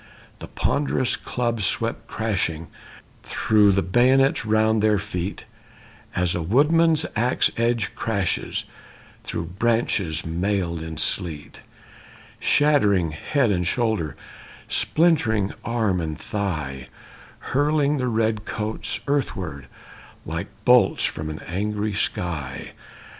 The pond'rous clubs swept crashing Through the bayonets round their feet As a woodman's axe edge crashes Through branches mailed in sleet, Shattering head and shoulder, Splintering arm and thigh, Hurling the redcoats earthward Like bolts from an angry sky.